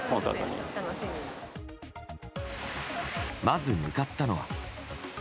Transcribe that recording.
まず向かったのは。